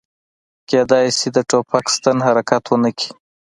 کیدای شي د ټوپک ستن حرکت ونه کړي